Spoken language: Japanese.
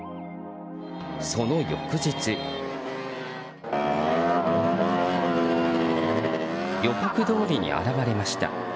その翌日。予告どおりに現れました。